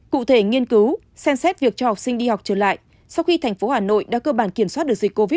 cụ thể nghiên cứu xem xét việc cho học sinh đi học trở lại sau khi thành phố hà nội đã cơ bản kiểm soát được dịch covid một mươi